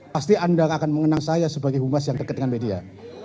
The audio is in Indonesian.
pasti anda akan mengenang saya sebagai humas yang dekat dengan media